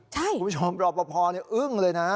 คุณผู้ชมรอปภอึ้งเลยนะ